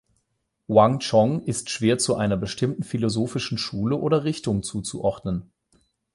Wang Chong ist schwer zu einer bestimmten philosophischen Schule, oder Richtung zuzuordnen.